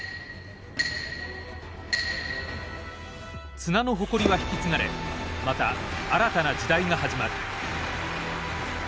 綱の誇りは引き継がれまた新たな時代が始まる。